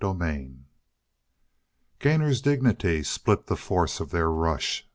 CHAPTER 15 Gainor's dignity split the force of their rush.